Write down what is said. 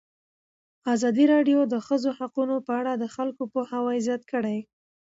ازادي راډیو د د ښځو حقونه په اړه د خلکو پوهاوی زیات کړی.